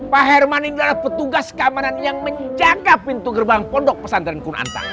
pak herman ini adalah petugas keamanan yang menjaga pintu gerbang pondok pesantren kunanta